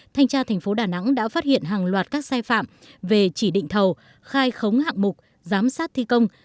thanh tra thành phố đà nẵng đã phát hiện hàng loạt các sai phạm về chỉ định thầu khai khống hạng mục giám sát thi công